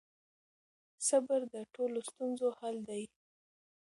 صبر د ټولو ستونزو حل دی.